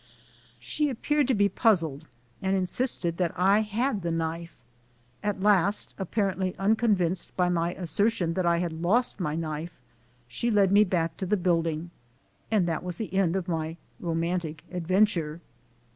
She appeared to be puzzled and insisted that I had the knife. At last, apparently unconvinced by my assertion that I had lost my knife, she led me back to the building, and that was the end of my romantic adventure